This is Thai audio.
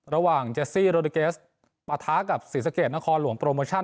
ระหว่างเจสซี่โรดิเกสประท้ากับศรีสเกตนครหลวงโปรโมชั่น